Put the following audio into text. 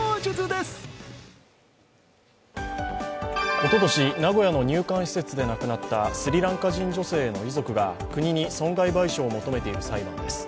おととし、名古屋の入管施設で亡くなったスリランカ人女性の遺族が国に損害賠償を求めている裁判です。